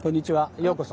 ようこそ。